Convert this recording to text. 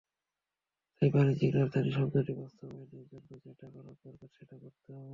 তাই বাণিজ্যিক রাজধানী শব্দটি বাস্তবায়নের জন্য যেটা করার দরকার, সেটা করতে হবে।